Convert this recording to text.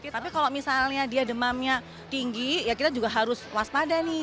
tapi kalau misalnya dia demamnya tinggi ya kita juga harus waspada nih